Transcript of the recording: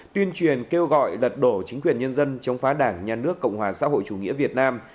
tuyên truyền kêu gọi lật đổ chính quyền nhân dân chống phá đảng nhà nước cộng hòa xã hội chủ nghĩa việt nam